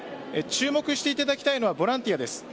注目していただきたいのはボランティアです。